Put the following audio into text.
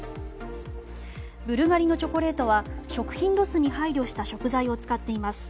ブルガリのチョコレートは食品ロスに配慮した食材を使っています。